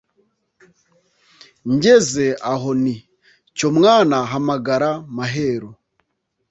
Ngeze aho nti: cyo mwana Hamagara Maheru